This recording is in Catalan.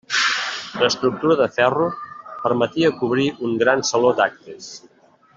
L'estructura de ferro permetia cobrir un gran saló d'actes.